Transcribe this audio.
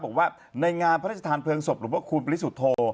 บอกว่าในงานพระราชทานเพลิงศพหลวงพระคูณปริสุทธโธ